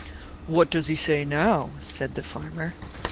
"What does he say now?" asked the farmer.